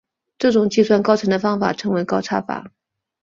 这种计算高程的方法称为高差法。